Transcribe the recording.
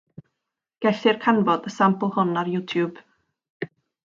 Gellir canfod y Sampl hwn ar YouTube.